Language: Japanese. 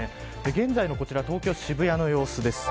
現在の東京、渋谷の様子です。